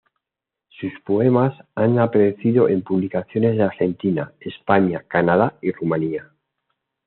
Sus poemas han aparecido en publicaciones de la Argentina, España, Canadá y Rumania.